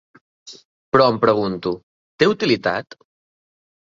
Però em pregunto, té utilitat?